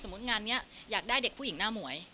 สมมุติงานเนี่ยอยากได้เด็กผู้หญิงหน้าหมวย